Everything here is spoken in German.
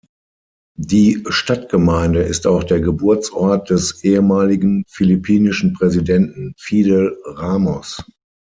Die Stadtgemeinde ist auch der Geburtsort des ehemaligen philippinischen Präsidenten Fidel Ramos.